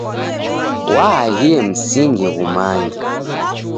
W'aaghie msingi ghumange.